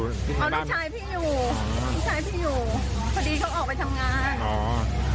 อ๋อลูกชายพี่อยู่พอดีเขาออกไปทำงาน